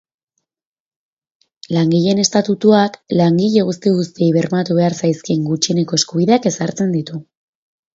Langileen Estatutuak langile guzti-guztiei bermatu behar zaizkien gutxieneko eskubideak ezartzen ditu.